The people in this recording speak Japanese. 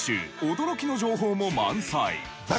驚きの情報も満載。